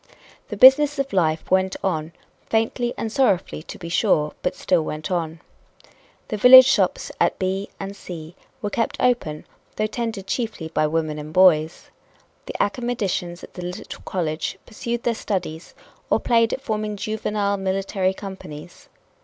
The business of life went on, faintly and sorrowfully, to be sure, but still went on. The village shops at B and C were kept open, though tended chiefly by women and boys. The academicians at the little college pursued their studies or played at forming juvenile military companies.